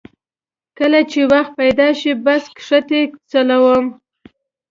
کله چې وخت پیدا شي بس کښتۍ چلوم.